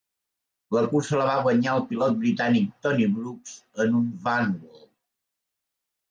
La cursa la va guanyar el pilot britànic Tony Brooks en un Vanwall.